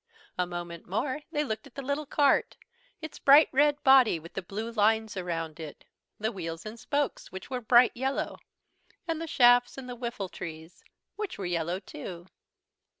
A moment more they looked at the little cart, its bright red body with the blue lines around it, the wheels and spokes, which were bright yellow, and the shafts and the whiffletrees, which were yellow too.